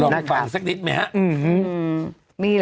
ลองฟังสักนิดมั้ยฮะมีเหรอ